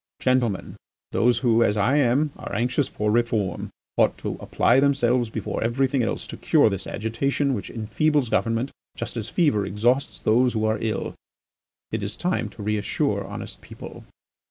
Gentlemen, those who, as I am, are anxious for reform, ought to apply themselves before everything else to cure this agitation which enfeebles government just as fever exhausts those who are ill. It is time to reassure honest people."